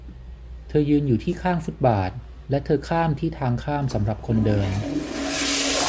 เธอยืนอยู่ที่ข้างฟุตบาทและเธอข้ามที่ทางข้ามสำหรับคนเดิน